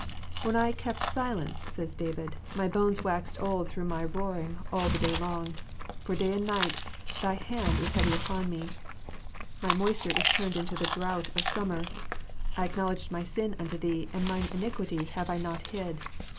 " When I kept silence," says David, "my bones waxed old through my roaring all the day long. For day and night Thy hand was heavy upon me : my moisture is turned into the drought of summer. I acknowledged my sin unto Thee, and mine iniquity have I not hid.